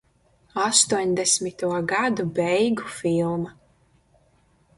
Astoņdesmito gadu beigu filma.